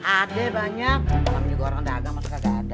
ada banyak malam juga orang enggak ada maksudnya enggak ada